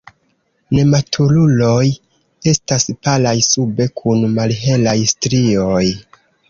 Nematuruloj estas palaj sube kun malhelaj strioj.